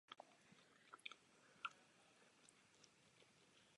Třikrát se kvalifikoval na letní olympijské hry.